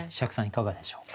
いかがでしょうか。